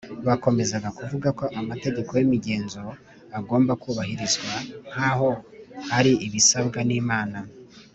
. Bakomezaga kuvuga ko amategeko y’imigenzo agomba kubahirizwa, nk’aho ari ibisabwa n’Imana